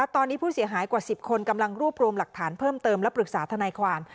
ตอนนี้ผู้เสียหายกว่า๑๐คนกำลังรวบรวมหลักฐานเพิ่มเติมและปรึกษาทนายความ